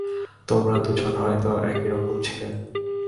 তোমরা দুজন হয়তো একই রকম ছিলে।